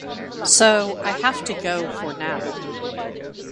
So, I have to go for now.